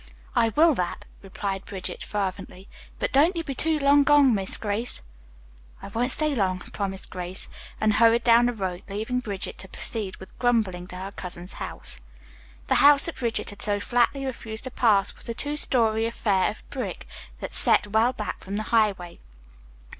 "I will that," replied Bridget fervently, "but don't ye be too long gone, Miss Grace." "I won't stay long," promised Grace, and hurried down the road, leaving Bridget to proceed with much grumbling to her cousin's house. The house that Bridget had so flatly refused to pass was a two story affair of brick that set well back from the highway.